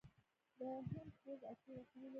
د هند پوځ عصري وسلې لري.